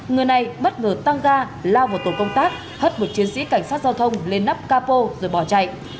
người này bất ngờ tăng ga lao vào tổ công tác hất một chiến sĩ cảnh sát giao thông lên nắp capo rồi bỏ chạy